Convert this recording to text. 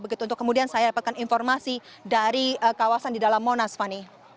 begitu untuk kemudian saya dapatkan informasi dari kawasan di dalam monas fani